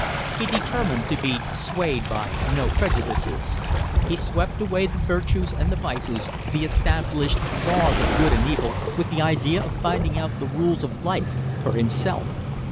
He determined to be swayed by no prejudices. He swept away the virtues and the vices, the established laws of good and evil, with the idea of finding out the rules of life for himself.